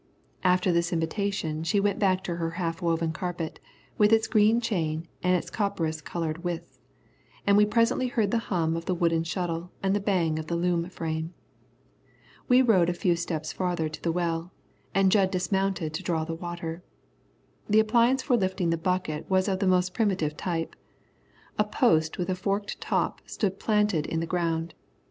After this invitation she went back to her half woven carpet with its green chain and its copperas coloured widths, and we presently heard the hum of the wooden shuttle and the bang of the loom frame. We rode a few steps farther to the well, and Jud dismounted to draw the water. The appliance for lifting the bucket was of the most primitive type. A post with a forked top stood planted in the ground.